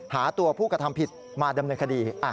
หาตัวผู้กระทำผิดมาดำเนินคดี